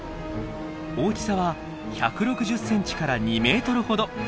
大きさは１６０センチから２メートルほど。